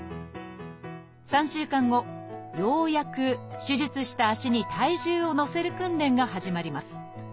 ３週間後ようやく手術した足に体重をのせる訓練が始まります。